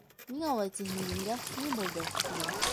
— Ниңә улай тиһең, еңгә, ни булды? — тине.